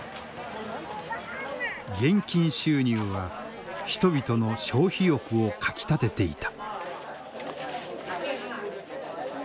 現金収入は人々の消費欲をかきたてていた。